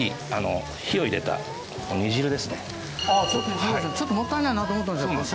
水分が飛んだらちょっともったいないなと思ったんですよ。